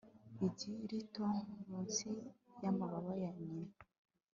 igi rito munsi yamababa ya nyina